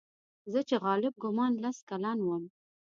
زه چې په غالب ګومان لس کلن وم.